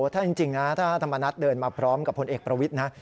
ถ้าจริงนะถ้าธรรมนัฐเดินมาพร้อมกับพลเอกประวิทย์นะ